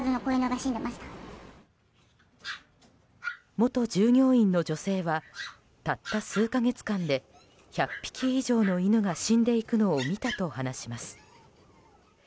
元従業員の女性はたった数か月間で１００匹以上の犬が死んでいくのを見たと話します。